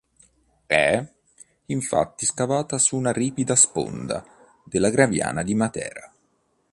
È, infatti, scavata su una ripida sponda della Gravina di Matera.